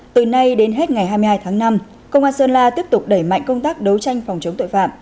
từ nay đến hết ngày hai mươi hai tháng năm công an sơn la tiếp tục đẩy mạnh công tác đấu tranh phòng chống tội phạm